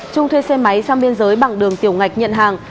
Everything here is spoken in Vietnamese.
trung thuê xe máy sang biên giới bằng đường tiểu ngạch nhận hàng